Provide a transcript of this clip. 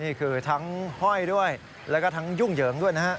นี่คือทั้งห้อยด้วยแล้วก็ทั้งยุ่งเหยิงด้วยนะฮะ